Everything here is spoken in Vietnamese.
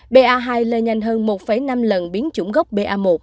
ba hai lây nhanh hơn một năm lần biến chủng gốc ba